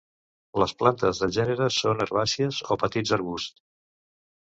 Les plantes del gènere són herbàcies o petits arbusts.